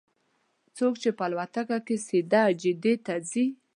څوک چې په الوتکه کې سیده جدې ته ځي.